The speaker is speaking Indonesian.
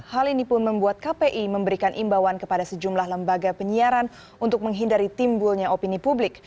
hal ini pun membuat kpi memberikan imbauan kepada sejumlah lembaga penyiaran untuk menghindari timbulnya opini publik